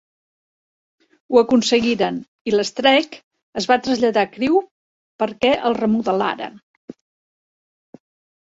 Ho aconseguiren, i el "Streak" es va traslladar a Crewe perquè el remodelaren.